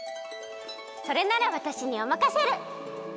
それならわたしにおまかシェル！